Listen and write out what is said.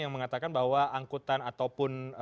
yang mengatakan bahwa angkutan ataupun